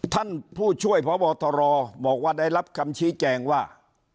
ท่านผู้ช่วยพบตรบอกว่าได้รับคำชี้แจงว่า